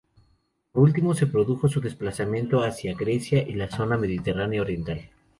Por último, se produjo su desplazamiento hacia Grecia y la zona mediterránea oriental.